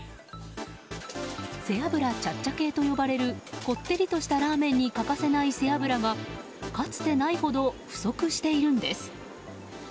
背脂チャッチャ系と呼ばれるこってりとしたラーメンに欠かせない背脂がかつてないほど不足しているんです。